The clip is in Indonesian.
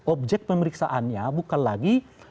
objek pemeriksaannya bukan lagi